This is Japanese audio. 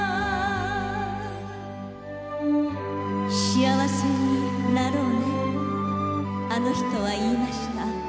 幸せになろうねあの人は言いました